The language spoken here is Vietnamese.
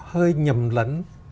hơi nhầm lẫn